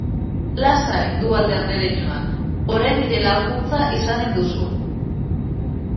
Lasai, Duhalde andereñoa, orain nire laguntza izanen duzu.